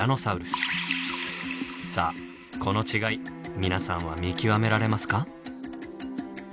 さあこの違い皆さんは見極められますか？